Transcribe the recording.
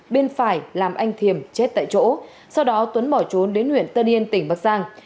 bên phải làm anh thiềm chết tại chỗ sau đó tuấn bỏ trốn đến huyện tân yên tỉnh bắc giang